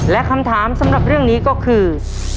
และคำถามสำหรับเรื่องนี้ก็คือ